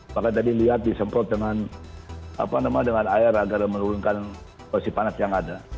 maka tadi lihat disemprot dengan air agar menurunkan porsi panas yang ada